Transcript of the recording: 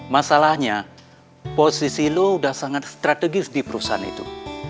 masalahnya posisi lo sudah sangat strategis di perusahaan itu